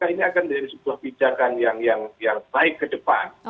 ini akan menjadi sebuah pijakan yang baik ke depan